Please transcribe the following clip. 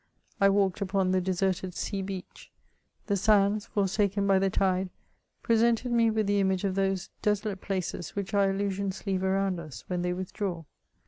I walked upon the deserted sea beach. The sands, forsaken by the tide, presented me with the image of those desolate places which our illusions leave around us when they withdraw.